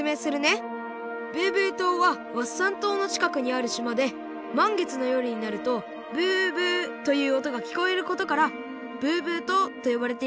ブーブー島はワッサン島のちかくにあるしまでまんげつのよるになるとブーブーというおとがきこえることからブーブー島とよばれているんだ。